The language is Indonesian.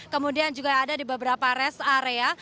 kemudian juga ada di beberapa rest area